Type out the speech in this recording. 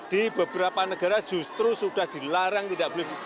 di beberapa negara justru sudah dilarang tidak beli